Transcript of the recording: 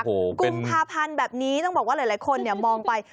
กุมภาพันธ์แบบนี้ต้องบอกว่าหลายคนเนี่ยมองไป